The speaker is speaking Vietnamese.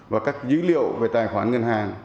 và các dữ liệu về tài khoản ngân hàng